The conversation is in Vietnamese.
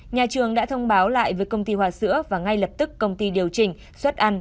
nhà trường đã thông báo lại với công ty hòa sữa và ngay lập tức công ty điều chỉnh xuất ăn